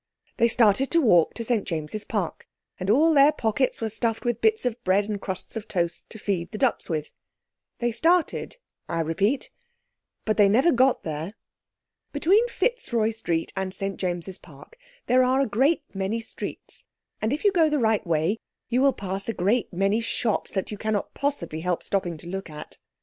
They started to walk to St James's Park, and all their pockets were stuffed with bits of bread and the crusts of toast, to feed the ducks with. They started, I repeat, but they never got there. Between Fitzroy Street and St James's Park there are a great many streets, and, if you go the right way you will pass a great many shops that you cannot possibly help stopping to look at.